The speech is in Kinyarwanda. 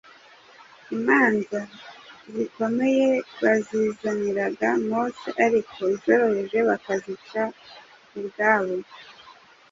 Imanza zikomeye bazizaniraga Mose, ariko izoroheje bakazica ubwabo